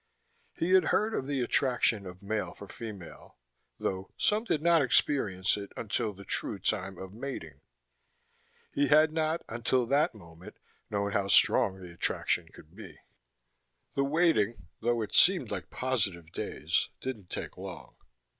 He had heard of the attraction of male for female, though some did not experience it until the true time of mating. He had not until that moment known how strong the attraction could be. The waiting, though it seemed like positive days, didn't take long.